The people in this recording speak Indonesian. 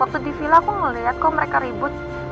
waktu di villa aku ngeliat kok mereka ribut